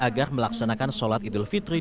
agar melaksanakan sholat idul fitri